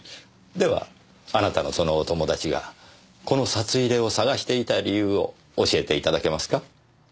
ではあなたのそのお友達がこの札入れを捜していた理由を教えていただけますか？